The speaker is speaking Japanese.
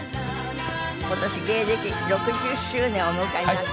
今年芸歴６０周年をお迎えになったきよしさん。